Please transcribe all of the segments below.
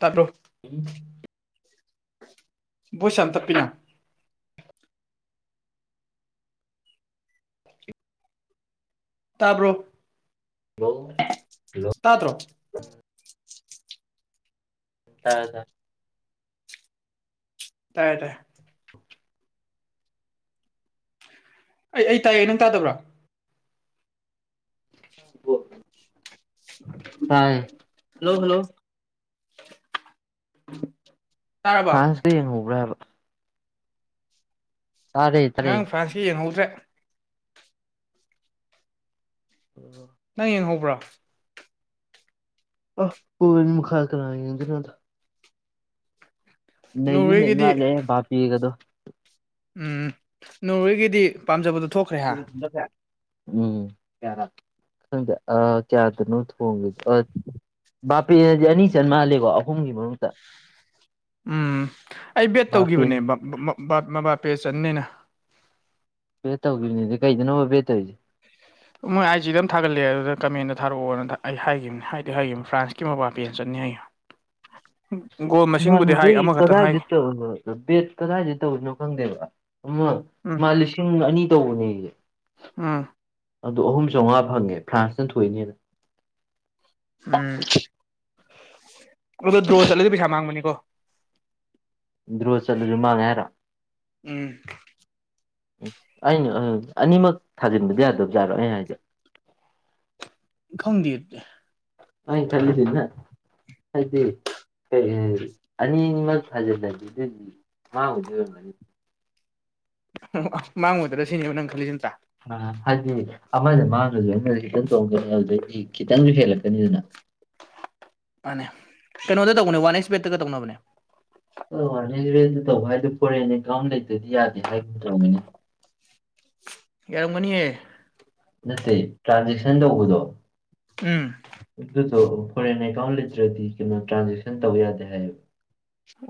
ꯇꯔ꯭ꯔꯣꯛ [inaudible] ꯎ [inaudible] ꯕꯣꯏꯁ ꯌꯥꯝ ꯇꯞꯄꯤꯅ ꯇꯥꯕ꯭ꯔꯣ ꯍꯥꯜꯂꯣ ꯇꯥꯇ꯭ꯔꯣ ꯇꯥꯔꯦ ꯇꯥꯔꯦ ꯇꯥꯏꯌꯦ ꯇꯥꯏ ꯑꯩ ꯑꯩ ꯇꯥꯌꯦ ꯅꯪ ꯇꯥꯗꯕ꯭ꯔꯣ ꯇꯥꯢ ꯍꯜꯂꯣ ꯍꯜꯂꯣ ꯐ꯭ꯔꯥꯟꯁꯗꯦ ꯌꯦꯡꯉꯕ꯭ꯔꯕ ꯇꯥꯔꯦ ꯇꯥꯔꯦ ꯅꯪꯥꯡ ꯐꯥꯁꯤ ꯌꯦꯡꯍꯧꯗ꯭ꯔꯦ ꯑꯣꯝꯜ [inaudible] ꯅꯪ ꯌꯦꯡꯍꯧꯕ꯭ꯔꯥ ꯑ ꯀꯣꯏ ꯃꯈꯥꯔ ꯀꯥꯅꯥꯗ ꯅꯗꯤ ꯅ ꯏ ꯅꯣꯔꯋꯦꯒꯤꯗꯤ ꯃꯥꯜꯂꯦ ꯚꯞꯄꯤꯒꯗꯣ ꯎꯝ ꯅꯣꯔꯋꯦꯒꯤꯗꯤ ꯄꯥꯝꯖꯕꯗꯣ ꯊꯣꯛꯈ꯭ꯔꯦ ꯍꯥ ꯍꯁ [inaudible] ꯎꯝ ꯈꯪꯗ ꯑ ꯀꯌꯥꯗꯅꯣ ꯊꯣꯡꯉꯗ ꯕꯥꯄꯦꯅꯗꯤ ꯑꯅꯤ ꯆꯟ ꯃꯥꯥꯟꯜꯜꯂꯤꯦꯀꯣ ꯑꯍꯨꯝꯒꯤ ꯃꯔꯛꯇ ꯎꯝ ꯑꯩ ꯕꯦꯠ ꯕꯥꯄꯦ ꯇꯧꯈꯤꯕꯅꯦ ꯃꯕꯥꯄꯦ ꯆꯟꯅꯤꯅ ꯄꯦ ꯇꯧꯗꯈꯤꯕꯅꯤꯗꯤ ꯀꯩꯗꯅꯣ ꯄꯦ ꯇꯧꯔꯤꯁꯦ ꯃꯣꯏ ꯑꯥꯏ ꯗꯝ ꯊꯥꯒꯠꯂꯛꯑꯦ ꯑꯗꯨꯗ ꯀꯃꯦꯟꯗ ꯊꯥꯔꯛꯑꯣꯅ ꯑꯩ ꯍꯥꯏꯈꯤꯕꯅꯦ ꯍꯥꯏꯗꯤ ꯍꯥꯏꯈꯤꯕꯅꯤ ꯐ꯭ꯔꯥꯟꯁꯀꯤ ꯃꯄꯥ ꯄꯦꯟ ꯆꯠꯅꯤ ꯑꯩ ꯑ [inaudible] ꯣ [inaudible] ꯅꯍꯥꯟ ꯀꯗꯥꯏꯗ ꯇꯧ ꯕꯦꯠ ꯀꯗꯥꯏꯗ ꯇꯧꯅꯣ ꯈꯪꯗꯦꯕ ꯑꯃ ꯎꯝ ꯃꯥ ꯂꯤꯁꯤꯡ ꯑꯅꯤ ꯇꯧꯕꯅꯦ ꯑꯩꯁꯦ ꯎꯝ ꯑꯗꯨ ꯑꯍꯨꯝ ꯆꯥꯝꯉꯥ ꯐꯪꯉꯦ ꯐ꯭ꯔꯥꯟꯁꯅ ꯊꯣꯛꯏꯅꯦꯅ ꯎꯝ ꯑꯗꯨ ꯗ꯭ꯔꯣ ꯆꯠꯂꯗꯤ ꯄꯩꯁꯥ ꯃꯥꯡꯕꯅꯤꯀꯣ ꯗ꯭ꯔꯣ ꯆꯠꯂꯁꯨ ꯃꯥꯡꯉꯦ ꯍꯥꯏꯔꯣ ꯎꯝ ꯎꯝ ꯑꯩꯅ ꯑꯅꯤꯃꯛ ꯊꯥꯖꯤꯟꯕꯗꯤ ꯌꯥꯗꯕꯖꯥꯠꯔꯣ ꯑꯩ ꯍꯥꯏꯁꯦ ꯈꯪꯗꯦ ꯑꯗꯨꯗꯤ ꯍ ꯈꯜꯂꯤꯗꯅ ꯈꯗꯔꯤ ꯀ ꯑꯅꯤ ꯊꯥꯖꯤꯜꯂꯗꯤ ꯑꯗꯨꯗꯤ ꯃꯥꯍꯗ ꯑꯣꯏꯔꯝꯃꯅꯤ ꯃꯥꯡꯉꯨꯗꯅ ꯁꯤꯅꯦꯕ ꯅꯪ ꯈꯜꯂꯤꯁꯤꯟꯇ꯭ꯔ ꯑ ꯍꯥꯏꯗꯤ ꯑꯃꯗ ꯃꯥꯡꯉꯁꯨ ꯑꯩꯅꯁꯨ ꯈꯤꯇꯪ ꯆꯣꯡꯀꯅꯤ ꯑꯗꯨꯗꯤ ꯈꯤꯇꯪꯁꯨ ꯍꯦꯜꯂꯛꯀꯅꯤ ꯑꯗꯨꯅ ꯃꯥꯅꯦ ꯀꯩꯅꯣꯗ ꯇꯧꯕꯅꯦ ꯋꯥꯟ ꯑꯦꯛꯁꯄꯦꯗꯠꯇꯒ ꯇꯧꯅꯕꯅꯦ ꯑꯧ ꯔꯦꯟ ꯔꯦꯟꯗ ꯇꯧꯕ ꯍꯥꯏꯗꯨꯣ ꯐꯣꯔꯦꯅꯦ ꯀꯔꯝ ꯂꯩꯇꯗꯤ ꯌꯥꯗꯦ ꯍꯥꯏꯒꯅ ꯇꯧꯃꯤꯅꯦ ꯌꯥꯔꯝꯒꯅꯤꯌꯦ ꯅꯠꯇꯦ ꯇ꯭ꯔꯥꯟꯖꯦꯛꯁꯟ ꯇꯧꯕꯗꯣ ꯎꯝ ꯑꯗꯨꯁꯨ ꯐꯣꯔꯦꯟ ꯑꯦꯀꯥꯎꯟ ꯂꯩꯇ꯭ꯔꯗꯤ ꯀꯩꯅꯣ ꯇ꯭ꯔꯥꯟꯖꯦꯛꯁꯟ ꯇꯧ ꯌꯥꯗꯦ ꯍꯥꯏꯌꯦꯕ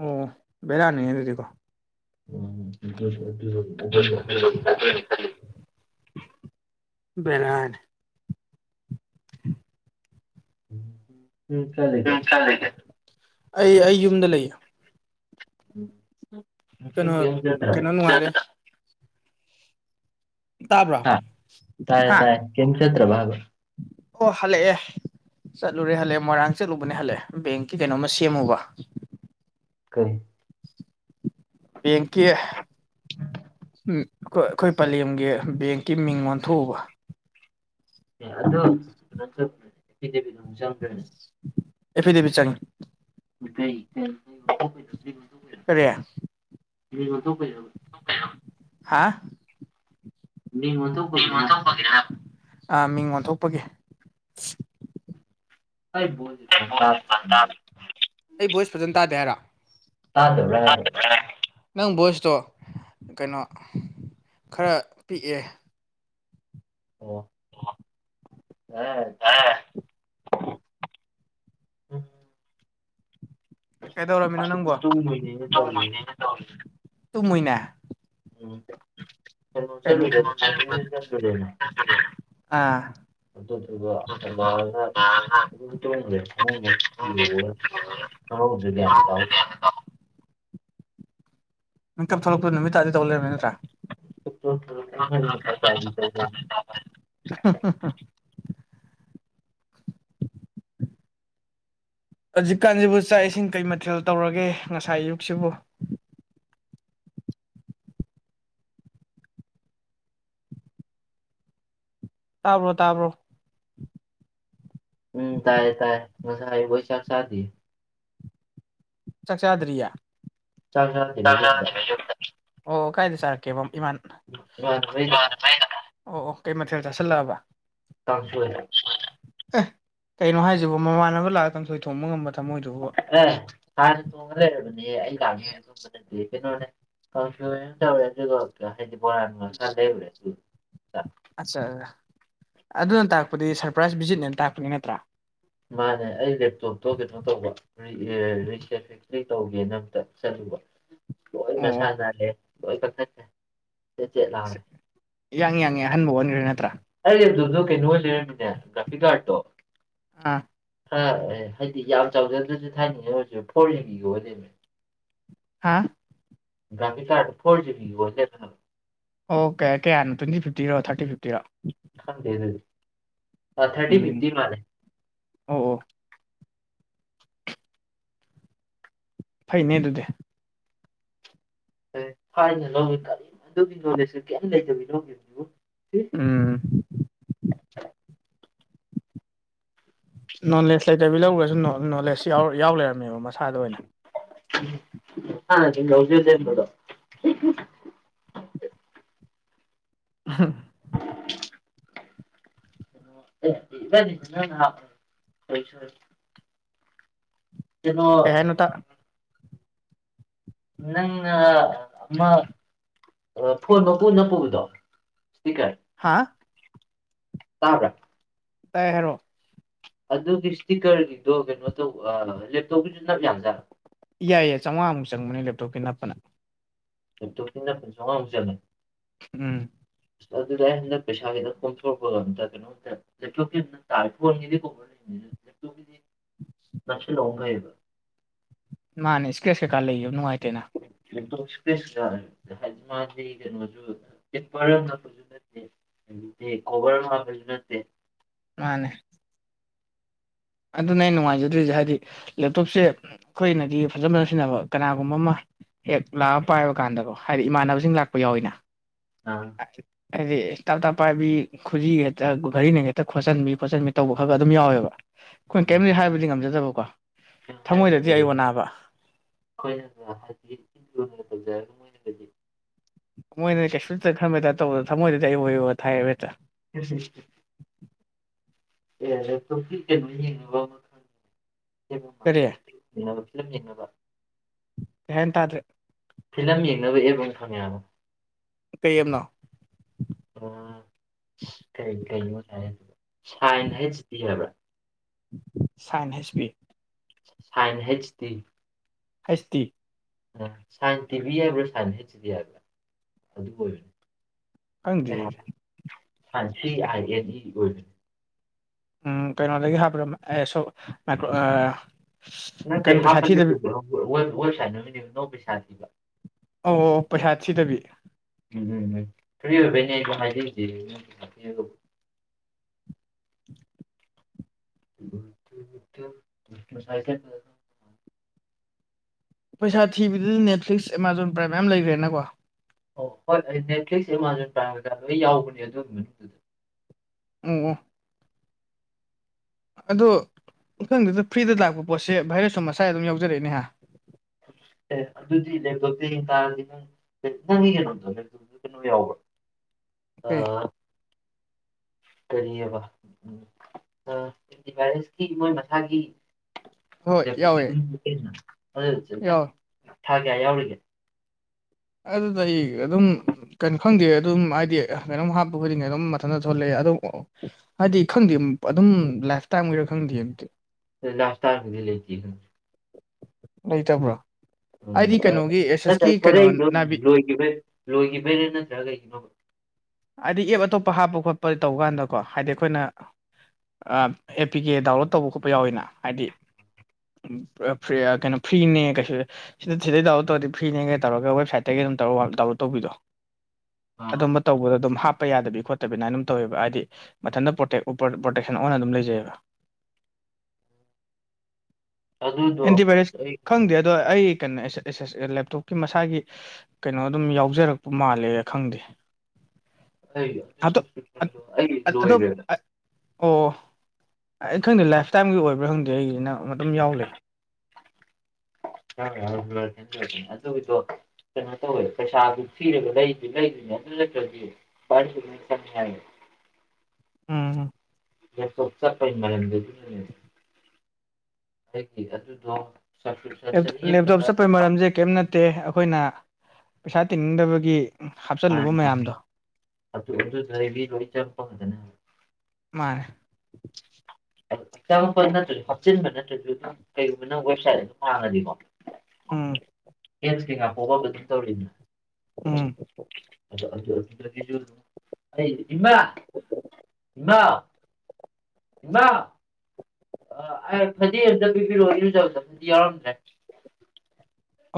ꯑꯣ ꯕꯦꯔꯥꯅꯤꯅꯦ ꯑꯗꯨꯗꯤꯀꯣ ꯎꯝ ꯑꯗꯨ ꯑꯗꯨꯅꯤ ꯈꯜꯂꯤ ꯔꯔ ꯎꯝ ꯎꯝ ꯐ ꯎ ꯑꯩ ꯑꯩ ꯌꯨꯝꯗ ꯂꯩꯌꯦ ꯀ ꯀꯩꯅꯣ ꯆ ꯇꯔꯣ ꯀꯩꯅꯣ ꯅꯨꯡꯉꯥꯏꯔꯦ ꯇꯥꯕ꯭ꯔꯣ ꯍꯥ ꯇꯥꯏꯌꯦ ꯍꯥ ꯇꯌꯦ ꯀꯡ ꯀꯠꯇꯚꯥꯕ ꯑꯣ ꯍꯜꯦ ꯑꯦ ꯆꯠꯂꯨꯔꯦ ꯍꯜꯂꯦ ꯃꯣꯏꯔꯥꯡ ꯆꯠꯂꯨꯕꯅꯦ ꯍꯜꯂꯦ ꯕꯦꯡꯀꯤ ꯀꯩꯅꯣꯝꯃ ꯁꯦꯝꯃꯨꯕ ꯀꯔꯤ ꯕꯦꯡꯀꯤ ꯑꯩ ꯑꯩꯈꯣꯏ ꯄꯂꯦꯝꯒꯤ ꯕꯦꯡꯀꯤ ꯃꯤꯡ ꯑꯣꯟꯊꯣꯛꯎꯕ ꯑꯦ ꯑꯗꯨꯣ ꯀꯩꯅꯣ ꯇꯧꯅꯦ ꯑꯦꯐꯤꯗꯦꯕꯤꯠ ꯑꯃ ꯆꯪꯗ꯭ꯔꯣꯏꯅꯦ ꯑꯦ ꯐꯤꯗꯦꯕꯤ ꯆꯉ [unintelligible] ꯀꯗꯦ ꯀꯤꯕꯤ ꯃ ꯂꯩꯩ ꯍꯥꯏꯕ ꯍꯥꯥ ꯔꯤꯡ ꯑꯣꯟꯊꯣꯛꯄꯒꯤꯅꯦ ꯍꯥꯏꯕ ꯑ ꯃꯤꯡ ꯑꯣꯟꯊꯣꯛꯄꯒꯤ ꯑꯩꯕꯨꯣꯜ ꯑꯩ ꯚꯣꯏꯁ ꯐꯖꯅ ꯇꯥꯗꯦ ꯍꯥꯏꯔ ꯇꯥꯗꯕ꯭ꯔꯥ ꯍꯥꯏꯕ [unintelligible] ꯅꯪ ꯚꯣꯏꯁꯇꯣ ꯀꯩꯅꯣ ꯈꯔ ꯄꯤꯛꯑꯦ ꯑꯣ ꯑꯣ ꯑ ꯌꯥꯔꯦ ꯀꯩꯗꯧꯔꯃꯤꯅꯣ ꯎꯝ ꯅꯪꯕꯣ ꯇꯨꯝꯃꯣꯏꯅꯦꯅ ꯇꯧꯔꯤꯅꯦ ꯇꯨꯝꯃꯣꯏꯅꯦ ꯎꯝꯅꯨꯡ ꯆꯠ ꯀꯩꯅꯣ ꯆ ꯂꯩꯅ ꯑꯥ ꯑꯗꯨꯗꯨꯒ ꯍꯜꯂꯛꯑꯒ ꯇꯦ ꯍ ꯑꯗꯨꯗꯤ ꯌꯥꯅꯤꯗꯣ ꯅꯪ ꯀꯞ ꯊꯣꯛꯂꯛꯄ ꯅꯨꯃꯤꯠ ꯇꯥꯔꯗꯤ ꯇꯧ ꯂꯩꯔꯃꯤ ꯅꯠꯇ꯭ꯔꯥ ꯇꯥꯍꯧꯗ꯭ꯔꯦ ꯄꯨꯡ ꯑꯅꯤ ꯃꯈꯥꯏ ꯇꯥꯗꯣꯏ ꯇꯧꯗꯣꯏꯅꯦ [unintelligible] ꯍꯧꯖꯤꯛꯀꯥꯟꯁꯤꯕꯨ ꯆꯥꯛ ꯏꯁꯤꯡ ꯀꯩ ꯃꯊꯦꯜ ꯇꯧꯔꯒꯦ ꯉꯁꯥꯏ ꯑꯌꯨꯛꯁꯤꯕꯨ ꯇꯥꯕ꯭ꯔꯣ ꯇꯥꯕ꯭ꯔꯣ ꯎꯝ ꯇꯥꯥꯏ ꯇꯥꯏ ꯉꯁ ꯍꯥꯏꯥꯏ ꯩꯁꯥꯈ ꯁꯥꯗꯤ ꯆꯥꯛ ꯆꯥꯗ꯭ꯔꯤꯌꯥ ꯆꯥꯛ ꯆꯥꯗꯦꯕ ꯌꯨꯝꯗ ꯑꯣ ꯀꯥꯏꯗꯤ ꯁꯥꯔꯀꯦ ꯏꯃ ꯏꯃꯥꯟꯅꯕꯩꯗ ꯑꯣ ꯑꯣ ꯀꯩ ꯃꯊꯦꯜ ꯆꯥꯁꯤꯜꯂꯛꯑꯕ ꯀꯥꯡꯁꯨꯔꯦ ꯑꯦ ꯀꯩꯅꯣ ꯍꯥꯏꯁꯤꯕꯣ ꯃꯃꯥꯟꯅꯕ ꯂꯥꯛꯑ ꯇꯁꯣꯏ ꯊꯣꯡꯕ ꯉꯝꯕ ꯊꯃꯣꯏꯗꯨꯕꯨ ꯑꯦ ꯍꯥꯟꯅ ꯇꯣꯡꯉ ꯂꯩꯔꯕꯅꯦ ꯑꯩ ꯂꯥꯛꯅꯤꯅ ꯑꯗꯨꯨꯝꯕꯗꯗꯤ [inaudible] ꯅ ꯀꯪ ꯑꯗꯨ ꯍꯥꯏꯗꯤꯣꯔ ꯈꯗ ꯑꯗꯨ [inaudible] ꯑꯠꯆꯥ ꯑꯗꯨꯅ ꯇꯥꯛꯄꯗꯤ ꯁꯔꯄ꯭ꯔꯥꯏꯁ ꯚꯤꯖꯤꯠꯅꯦꯅ ꯇꯥꯛꯄꯅꯤ ꯅꯠꯇ꯭ꯔꯥ ꯃꯥꯅꯦ ꯑꯩ ꯂꯦꯞꯇꯣꯞꯇꯣ ꯀꯩꯅꯣ ꯇꯧꯕ ꯔꯤ ꯇꯧꯒꯦꯅ ꯑꯝꯇ ꯆꯠꯂꯨꯕ ꯀꯣꯏ ꯃꯁꯥ ꯑꯣ ꯂꯩꯦꯣꯏ ꯐ [inaudible] ꯑꯁ ꯌꯥꯡꯉ ꯌꯥꯡꯉ ꯑꯍꯟꯕ ꯑꯣꯟꯈ꯭ꯔꯣ ꯅꯠꯇ꯭ꯔꯥ ꯑꯩ ꯑꯗꯨꯗꯣ ꯀꯩꯅꯣ ꯑꯣꯏ ꯂꯩꯔꯝꯃꯤꯅꯦ ꯒ꯭ꯔꯥꯐꯤ ꯀꯥꯔꯠꯇꯣ ꯍꯥ ꯍꯥꯏꯗꯤ ꯌꯥꯝ ꯆꯥꯎꯖꯗ꯭ꯔꯁꯨ ꯊꯥꯏꯅꯤꯡꯉꯦ ꯑꯣꯏꯔꯁꯨ ꯐꯣꯔ ꯖꯤꯕꯤꯒ ꯑꯣꯏꯗꯅꯦ ꯍꯥꯥ ꯕꯤ ꯇ ꯐꯣꯔ ꯖꯤꯕꯤꯒꯤ ꯋꯥꯣ [inaudible] ꯑꯣ ꯀꯦ ꯀꯌꯥꯅꯣ꯭ꯋꯦꯟꯇꯤꯇꯤꯔꯣ ꯊꯥꯔꯇꯤ ꯐꯤꯐꯇꯤꯔꯣ ꯍ ꯑꯗꯨ ꯊꯔꯇꯤ ꯎꯝ ꯐꯤꯐꯇꯤ ꯃꯥꯅꯦꯦ ꯑꯣ ꯑꯣ ꯐꯩꯅꯦ ꯑꯗꯨꯗꯤ ꯍꯥꯏꯥꯏꯅ ꯂꯧꯋ ꯀꯔꯤꯅꯣ ꯑꯗꯨꯒꯤ ꯅꯣꯂꯦꯖꯁꯨ ꯀꯔꯤꯝ ꯂꯩꯇꯕꯤꯅꯣ ꯌꯦꯦꯝꯕꯨ [inaudible] ꯎꯝ ꯅꯣꯂꯦꯖ ꯂꯩꯇꯕꯤ ꯂꯧꯔꯒꯁꯨ ꯅꯣꯂꯦꯖ ꯌꯥꯎ ꯂꯩꯔꯝꯃꯦꯕ ꯃꯁꯥꯗ ꯑꯣꯏꯅ ꯗꯗ ꯇꯗꯣ [inaudible] ꯑ [inaudible] ꯅꯤꯣꯏ [inaudible] ꯀꯩ ꯀꯩꯅꯣ ꯍꯥꯢꯅꯣ ꯇ ꯅꯪꯅ ꯑꯃ ꯐꯣꯟ ꯃꯄꯨ ꯅꯄꯨꯨꯕꯗꯣ ꯏꯁꯄꯤꯀꯔ ꯍꯥꯥ ꯇꯥꯕꯔꯥ ꯇꯥꯏ ꯍꯥꯏꯔꯛꯑꯣ ꯑꯗꯨꯒꯤ ꯏꯁꯇꯤꯛꯀꯔꯒꯤꯗꯣ ꯀꯩꯅꯣ ꯇꯧꯕ ꯂꯦꯞꯇꯣꯞꯀꯤꯁꯨ ꯅꯞ ꯌꯥꯝꯖꯔꯛꯄꯣ ꯌꯥꯏ ꯌꯥꯏ ꯆꯥꯝꯃꯉꯥꯃꯨꯛꯪꯅꯦ ꯂꯦꯞꯇꯣꯞꯀꯤ ꯅꯞꯄꯅ ꯑꯦꯛꯇꯣ ꯐꯅ ꯄꯨ ꯁꯣꯛꯉꯥꯡꯖꯅ ꯎꯝ ꯑꯗꯨꯗ ꯍ ꯄꯦꯁꯥꯗ ꯀꯝꯊꯔꯕꯣ ꯀꯩꯅꯣ ꯣ ꯇꯥ ꯐꯗꯤ ꯀꯣꯔ ꯂꯩ [inaudible] ꯃꯆ ꯂꯣꯡꯝꯕꯥꯏꯕ [inaudible] ꯃꯥꯅꯦ ꯏꯁꯀ꯭ꯔꯦꯁ ꯀꯩꯀꯥ ꯂꯩꯌꯦꯕ ꯅꯨꯡꯉꯥꯏꯇꯦꯅ ꯍꯥꯏꯗꯤ ꯃꯥꯁꯤ ꯀꯩꯅꯣꯁꯨꯄꯔ ꯅꯛꯄꯁꯨ ꯅꯠꯇꯦ ꯗꯤ ꯈꯣꯕꯔ ꯍꯥꯞꯄꯁꯨ ꯅꯠꯇꯦ ꯃꯥꯅꯦ ꯑꯗꯨꯅ ꯑꯩ ꯅꯨꯡꯉꯥꯏꯖꯗ꯭ꯔꯤꯁꯦ ꯍꯥꯏꯗꯤ ꯂꯦꯞꯇꯣꯞꯁꯦ ꯑꯩꯈꯣꯏꯅꯗꯤ ꯐꯖ ꯐꯖ ꯁꯤꯖꯤꯟꯅꯕ ꯀꯅꯥꯒꯨꯝꯕ ꯑꯃ ꯍꯦꯛ ꯂꯥꯛꯑꯒ ꯄꯥꯏꯕ ꯀꯥꯟꯗꯀꯣ ꯍꯥꯏꯗꯤ ꯏꯃꯥꯟꯅꯕꯁꯤꯡ ꯂꯥꯛꯄ ꯌꯥꯎꯋꯤꯅ ꯑ ꯑꯥꯏ ꯍꯥꯏꯗꯤ ꯇꯞꯇꯥꯥ ꯄꯥꯏꯕꯤ ꯈꯨꯖꯤ ꯍꯦꯛꯇ ꯘꯔꯤꯅ ꯍꯦꯛꯇ ꯈꯣꯠꯆꯟꯕꯤ ꯈꯣꯠꯆꯟꯕꯤ ꯇꯧꯕ ꯈꯛꯒ ꯑꯗꯨꯝ ꯌꯥꯎꯋꯦꯕ ꯑꯩꯈꯣꯏꯅ ꯀꯔꯤꯝꯇꯗꯤ ꯍꯥꯏꯕꯗꯤ ꯉꯝꯖꯗꯕꯀꯣ ꯊꯃꯣꯏꯗꯗꯤ ꯑꯩ ꯑꯣꯅꯥꯕ ꯍꯣꯏꯅ ꯍꯥꯏꯗꯤ ꯇꯧꯖꯔ [inaudible] ꯃꯣꯏꯅ ꯀꯩꯁꯨ ꯈꯔꯕ ꯇꯧꯗꯅ ꯊꯃꯣꯏꯗꯗꯤ ꯑꯩ ꯍꯣꯏ ꯊꯥꯏ ꯍꯦꯛꯇ [unintelligible] ꯑꯦꯦꯤ ꯌꯦꯕ [inaudible] ꯀꯔꯤ ꯕ ꯐꯤꯂꯝ ꯌꯦꯡꯕ [inaudible] ꯀꯩ ꯍꯤꯢꯅꯣ ꯇꯥꯗꯔꯦ ꯐꯤꯂꯝ ꯌꯦꯡꯅꯕ ꯑꯦꯞ ꯑꯃ ꯈꯪꯉꯦ ꯍꯥꯢꯕ ꯄꯦꯝꯅꯣ ꯑꯣ ꯀꯔꯤ ꯀꯅꯣ ꯍꯥꯏ ꯁꯥꯏꯟ ꯍꯥꯏꯁꯤꯗꯤ ꯍꯥꯏꯕ꯭ꯔꯥ ꯁꯥꯏꯟ ꯍꯁ ꯄꯤ ꯁꯥꯏꯟ ꯍꯩꯆ ꯗꯤ ꯍꯩꯆ ꯗꯤ ꯁꯥꯏꯟꯁ ꯇꯤꯚꯤ ꯍꯥꯏꯕ꯭ꯔꯥ ꯁꯥꯏꯟꯁ ꯍꯩꯆ ꯗꯤ ꯍꯥꯏꯕ꯭ꯔꯥ ꯑꯗꯨ ꯑꯣꯏꯕꯅꯤ ꯈꯪꯗ꯭ꯔꯦ ꯐ ꯁꯤ ꯑꯣꯏ [unintelligible] ꯎꯝ ꯀꯩꯅꯣꯗꯒꯤ ꯍꯥꯞꯕ꯭ꯔꯣꯁꯣ ꯃꯥꯏꯀ꯭ꯔꯣ ꯀꯩꯅꯣ ꯅꯠꯇꯦ ꯄꯩꯁꯥ ꯍꯥꯞꯄ ꯊꯤꯗꯕꯤ ꯅꯠꯇꯁꯥ ꯅꯨꯃꯤ ꯅ ꯄꯩꯁꯥ ꯊꯕ ꯑꯣ ꯑꯣ ꯑꯣ ꯄꯩꯁꯥ ꯊꯤꯗꯕꯤ ꯎꯝ ꯎꯝ ꯎꯝ ꯐꯔꯤ ꯑꯣꯏꯕꯅꯤ ꯑꯩꯗꯣ ꯍꯥꯏꯖꯔꯤꯁꯦ [inaudible] ꯅ ꯆꯥꯏꯗ ꯄꯩꯁꯥ ꯊꯤꯕꯗꯗꯤ ꯅꯦꯠꯐ꯭ꯂꯤꯛꯁ ꯑꯦꯃꯥꯖꯣꯟ ꯄ꯭ꯔꯥꯏꯝ ꯃꯌꯥꯝ ꯂꯩꯈ꯭ꯔꯦꯅꯀꯣ ꯑꯣ ꯍꯣꯏ ꯑꯩ ꯅꯦꯠꯐ꯭ꯂꯤꯛꯁ ꯑꯦꯃꯥꯖꯣꯟ ꯄ꯭ꯔꯥꯏꯝ ꯀꯩꯀꯥ ꯂꯣꯏ ꯌꯥꯎꯕꯅꯦ ꯑꯗꯨꯒꯤ ꯃꯅꯨꯡꯗ ꯑꯣ ꯑꯣ ꯑꯗꯣ ꯏꯊꯪꯗꯨꯗ ꯐ꯭ꯔꯤꯗ ꯂꯥꯛꯄ ꯄꯣꯠꯁꯦ ꯚꯥꯏꯔꯁꯁꯨ ꯃꯁꯥꯏ ꯑꯗꯨꯝ ꯌꯥꯎꯖꯔꯛꯏꯗꯅꯀ‌ꯣ ꯑꯦ ꯑꯗꯨꯗꯤ ꯂꯦꯡꯊꯣꯛꯇꯦ ꯌꯦꯡ ꯇꯥꯔꯗꯤ ꯑꯗꯨꯪ [unintelligible] ꯅꯪꯒꯤ ꯀꯩꯅꯣꯗꯣ ꯀꯩꯅꯣ ꯌꯥꯎꯕ ꯑ ꯑꯣꯀꯦ ꯀꯔꯤꯑꯕ ꯑ ꯑꯦꯟꯇꯤ ꯚꯥꯏꯔꯁꯀꯤ ꯃꯣꯏ ꯃꯁꯥꯒꯤ ꯍꯣꯏ ꯌꯥꯎꯋꯦ ꯪ ꯌꯥꯎꯋꯦ ꯊꯥ ꯀꯌꯥ ꯌꯥꯎꯔꯤꯒ‌ꯦ ꯑꯗꯨꯗ ꯑꯩ ꯑꯗꯨꯝ ꯀ ꯈꯪꯗꯦ ꯑꯗꯨꯝ ꯍꯥꯏꯗꯤ ꯀꯩꯅꯣꯝ ꯍꯥꯞꯄ ꯈꯨꯗꯤꯡꯒꯤ ꯑꯗꯨꯝ ꯃꯊꯟꯇ ꯊꯣꯛꯂꯛꯑꯦ ꯑꯗꯨꯝ ꯍꯥꯏꯗꯤ ꯈꯪꯗꯦ ꯑꯗꯨꯝ ꯂꯥꯏꯐꯇꯥꯏꯝ ꯑꯣꯏꯔꯥ ꯈꯪꯗꯦ ꯑꯝꯗꯤ ꯂꯥꯏꯐ [unintelligible] ꯇꯥꯔ ꯀꯗꯤ ꯂꯩꯇ ꯂꯩ ꯇꯕ꯭ꯔꯣ ꯎꯝ ꯅꯠꯇ꯭ꯔ ꯐꯣꯔꯩꯗꯣ ꯅꯥꯚ ꯂꯣꯏ ꯂꯣꯏꯈꯤꯕꯩꯔ ꯅꯠꯇ꯭ꯔꯒ ꯀꯩꯒꯤꯅꯣꯕ ꯍꯥꯏꯗꯤ ꯑꯦꯞ ꯑꯇꯣꯞꯄ ꯍꯥꯞꯄ ꯈꯣꯠꯄ ꯇꯧꯕ ꯀꯥꯟꯗꯀꯣ ꯍꯥꯏꯗꯤ ꯑꯩꯈꯣꯏꯅ ꯑꯦ ꯄꯤ ꯀꯦ ꯗꯥꯎꯟꯂꯣꯗ ꯇꯧꯕ ꯈꯣꯠꯄ ꯌꯥꯎꯋꯤꯅ ꯍꯥꯏꯗꯤ ꯐ ꯀꯩꯅꯣ ꯐ꯭ꯔꯤꯅꯦ ꯀꯩꯁꯨ ꯁꯤꯗ ꯁꯤꯗꯩ ꯗꯥꯎꯟꯂꯣꯗ ꯇꯧꯔꯗꯤ ꯐ꯭ꯔꯤꯅꯦꯒ ꯇꯧꯔꯒ ꯋꯦꯕꯁꯥꯏꯠꯇꯒꯤ ꯑꯗꯨꯝ ꯇꯧꯔ ꯗꯥꯎꯟꯂꯣꯗ ꯇꯧꯕꯤꯗꯣ ꯑꯗꯨ ꯑꯥ ꯇꯧꯕꯗꯣ ꯑꯗꯨꯝ ꯍꯥꯞꯄ ꯌꯥꯗꯕꯤ ꯈꯣꯠꯇꯕꯤꯅꯅ ꯑꯗꯨꯝ ꯇꯧꯋꯦꯕ ꯍꯥꯏꯗꯤ ꯃꯊꯟꯇ ꯄ꯭ꯔꯣꯇꯦꯛ ꯄ꯭ꯔꯣꯇꯦꯛꯁꯟ ꯑꯣꯟꯅ ꯑꯗꯨꯝ ꯂꯩꯖꯩꯑꯕ ꯑꯗꯨꯗꯣ ꯑꯦꯟꯇꯤꯚꯌꯔꯁ ꯑꯁ ꯑꯩ ꯈꯪꯗꯦ ꯑꯗꯣ ꯑꯩ ꯀꯩꯅꯣ ꯂꯦꯞꯇꯣꯞꯀꯤ ꯃꯁꯥꯒꯤ ꯀꯩꯅꯣ ꯑꯗꯨꯝ ꯌꯥꯎꯖꯔꯛꯄ ꯃꯥꯜꯂꯦ ꯈꯪꯗꯦ ꯑꯩ ꯑꯗꯣ ꯑꯩꯒꯤ ꯑꯗꯣ ꯂꯣꯏꯒꯦ ꯑꯣ ꯑꯩ ꯈꯪꯗꯦ ꯂꯥꯏꯐꯇꯥꯏꯝꯒꯤ ꯑꯣꯏꯕ꯭ꯔꯥ ꯈꯪꯗꯦ ꯑꯩꯒꯤꯅꯪ ꯑꯗꯨꯝ ꯌꯥꯎ ꯂꯩ ꯑꯗꯨꯒꯤꯗꫭ ꯀꯩꯅꯣ ꯇꯧꯋꯦ ꯄꯩꯁꯥꯗꯨ ꯊꯤꯔꯒ ꯂꯩꯗꯨ ꯂꯩꯗꯨꯅꯦ ꯑꯗꯨ ꯅꯠꯇ꯭ꯔꯗꯤꯚ ꯂꯣꯏ ꯈꯪꯅꯤ ꯍꯥꯏꯌꯦ ꯎꯝ ꯂꯦꯞꯇꯣꯞ ꯆꯠꯄꯒꯤ ꯃꯔꯝꯗꯨ ꯑꯩꯒꯤ ꯑꯗꯨꯗꯣ ꯁꯞꯁꯀ꯭ꯔꯤꯞꯁꯟ ꯆꯍꯤ ꯂꯦꯞꯇꯣꯞ ꯑꯃꯗ ꯆꯠꯄꯩ ꯃꯔꯝꯁꯦ ꯀꯔꯤꯝ ꯅꯠꯇꯦ ꯑꯩꯈꯣꯏꯅ ꯄꯩꯁꯥ ꯇꯤꯡꯅꯤꯡꯗꯕꯒꯤ ꯍꯥꯞꯆꯤꯜꯂꯨꯕ ꯃꯌꯥꯝꯗꯣ ꯑꯗꯨ ꯑꯗꯨꯕꯤ ꯂꯣꯏ ꯆꯪꯄꯗꯅ ꯃꯥꯅꯦ ꯑꯉꯄ ꯅꯠꯇ꯭ꯔꯁꯨ ꯍꯥꯞꯆꯤꯟꯕ ꯅꯠꯇ꯭ꯔꯁꯨꯪ ꯀꯩꯒꯨꯝꯕ ꯅꯪ ꯋꯦꯕꯁꯥꯏꯠ ꯑꯗꯨꯝ ꯍꯥꯡꯉꯅꯤꯀꯣ ꯎꯝ ꯑꯦꯠ ꯀꯩ ꯉꯥꯄꯣꯛꯕꯕ ꯑꯗꯨꯝ ꯇꯧꯔꯤꯅꯤ ꯎꯝ ꯏꯃꯥ ꯏꯃꯥ ꯏꯃꯥ ꯑ ꯐꯗꯤ ꯑꯝꯇ ꯄꯤꯕꯤꯔꯛꯑꯣ ꯏꯅ ꯆꯧꯗ ꯐꯗꯤ ꯌꯥꯎꯔꯝꯗ꯭ꯔꯦ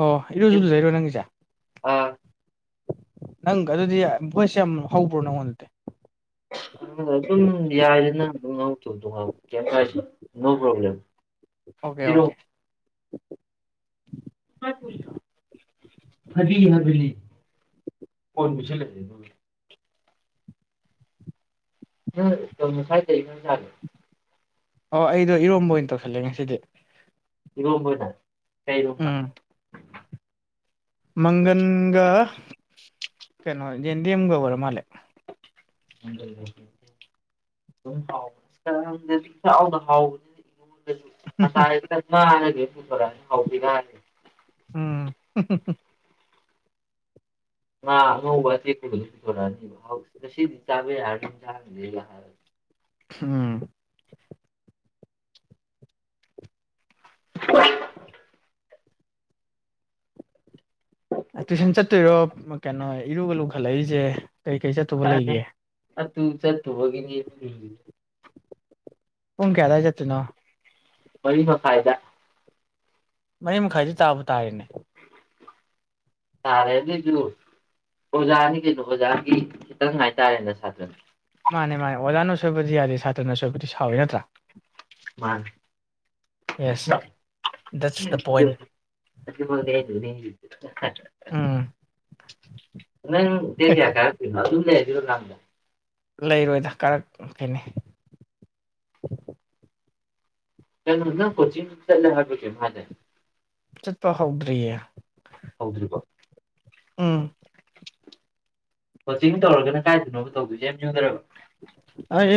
ꯑꯣ ꯏꯔꯣꯖꯨꯂꯨꯖꯩꯔꯣ ꯅꯪꯒꯤꯖ‌ꯦ ꯑ ꯅꯪꯒ ꯑꯗꯨꯗꯤ ꯚꯣꯏꯁ ꯌꯥꯝ ꯍꯧꯕ꯭ꯔꯣ ꯅꯪꯉꯣꯟꯗꯗꯤ ꯑꯗꯨꯅ ꯑꯗꯨꯝ ꯌꯥꯏꯗꯅ ꯑꯗꯨꯝ ꯉꯥꯎꯗꯧ ꯑꯗꯨꯝ ꯉꯥꯎ ꯀꯌꯤꯝ ꯀꯥꯏꯗꯦ ꯅꯣ ꯄꯔꯣꯕ꯭ꯂꯦꯝ ꯑꯣꯀꯦ ꯑꯣꯀꯦ ꯀꯥꯏꯄꯨꯔꯤꯅꯣ ꯐꯕꯤ ꯍꯥꯕꯅꯤ ꯐꯣꯟ ꯄꯤꯁꯜꯂꯛꯑꯦ ꯑꯗꯨꯒ ꯅꯣꯏ ꯀꯩ ꯉꯥꯁꯥꯏ ꯀꯩ ꯏꯟꯖꯥꯡ ꯆꯥꯒꯦ ꯍꯣ ꯑꯩꯗꯣ ꯏꯔꯣꯝꯕ ꯑꯣꯏꯅ ꯇꯧꯁꯜꯂꯦ ꯉꯁꯤꯗꯤ ꯏꯔꯣꯝꯕꯅ ꯀꯩ ꯏꯔꯣꯝꯕ ꯎꯝ ꯃꯪꯒꯟꯒ ꯀꯩꯅꯣ ꯌꯦꯟꯗꯦꯝꯒ ꯑꯣꯏꯔ ꯃꯥꯂꯦ [unintelligible] [unintelligible] [unintelligible] ꯎꯝ ꯍꯨꯝ ꯍꯨꯝ ꯍꯨꯝ ꯉꯥ ꯑꯉꯧꯕ ꯑꯇꯦꯛꯄꯕꯨꯗꯤ ꯄꯨꯔꯛꯑꯅꯤ ꯃꯍꯥꯎꯖꯦ ꯉꯁꯤꯗꯤ ꯆꯥꯕ ꯌꯥꯔꯗꯤ ꯌꯦꯟꯖꯥꯡꯖꯦ ꯍꯥꯏ ꯎꯝ [inaudible] ꯑ ꯇꯨꯏꯁꯟ ꯆꯠꯇꯣꯏꯔꯣ ꯀꯩꯅꯣ ꯏꯔꯨꯒ ꯂꯨꯈꯠꯂꯛꯏꯖꯦ ꯈꯔꯗꯦ ꯑꯗꯨ ꯆꯠꯇꯧꯕꯒꯤꯅꯤ ꯂꯨꯔꯤꯖꯦ ꯄꯨꯡ ꯀꯌꯥ ꯑꯗꯥꯏ ꯆꯠꯇꯣꯏꯅꯣ ꯃꯔꯤ ꯃꯈꯥꯏꯗ ꯃꯔꯤ ꯃꯈꯥꯏꯗꯤ ꯇꯥꯕꯨ ꯇꯥꯔꯦꯅꯦ ꯇꯥꯔꯦ ꯑꯗꯣꯏꯖꯨ ꯑꯣꯖꯥꯅꯤ ꯀꯩꯅꯣ ꯑꯣꯖꯥꯒꯤ ꯈꯤꯇꯪ ꯉꯥꯏꯇꯥꯔꯦꯅ ꯁꯥꯇ꯭ꯔꯅ ꯃꯥꯅꯦ ꯃꯥꯅꯦ ꯑꯣꯖꯥꯅ ꯁꯣꯏꯕꯗꯤ ꯌꯥꯗꯦ ꯁꯥꯇ꯭ꯔꯅ ꯁꯣꯏꯕꯗꯤ ꯁꯥꯎꯋꯤ ꯅꯠꯇ꯭ꯔꯥ ꯃꯥꯅꯤ ꯌꯦꯁ ꯗꯠꯁ ꯗ ꯄꯣꯏꯟ [unintelligible] ꯎꯝ ꯅꯪ ꯗꯦꯠ ꯀꯌꯥꯗ ꯀꯔꯛꯇꯣꯏꯅꯣ ꯑꯗꯨꯝ ꯂꯩꯔꯗꯣꯏꯔꯣ ꯖꯥꯝꯖꯦ ꯂꯩꯔꯣꯏꯗ ꯀꯔꯛꯀꯅꯤ ꯀꯩꯅ ꯅꯪ ꯀꯣꯆꯤꯡ ꯆꯠꯂꯦ ꯍꯥꯏꯕꯔ ꯀꯩꯅꯣꯝ ꯍꯥꯏꯗꯥꯏꯅꯦ ꯆꯠꯄ ꯍꯧꯗ꯭ꯔꯤꯌꯦ ꯍꯧꯗ꯭ꯔꯤꯕꯣ ꯎꯝ ꯀꯣꯆꯤꯡ ꯇꯧꯔꯒꯅ ꯀꯥꯏꯗꯅꯣꯕ ꯇꯧꯗꯣꯏꯖꯦ ꯑꯦꯝ ꯌꯨꯗꯔꯕ ꯑ ꯑꯦꯝ